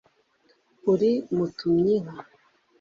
uri mutumyinka